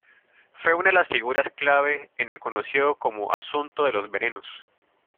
Fue una de las figuras clave en el conocido como asunto de los venenos.